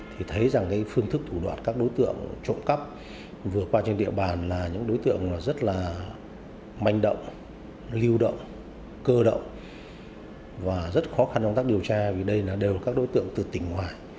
thì thấy rằng cái phương thức thủ đoạn các đối tượng trộm cắp vừa qua trên địa bàn là những đối tượng rất là manh động lưu động cơ động và rất khó khăn trong tác điều tra vì đây đều các đối tượng từ tỉnh ngoài